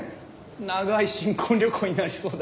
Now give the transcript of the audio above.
長い新婚旅行になりそうだ。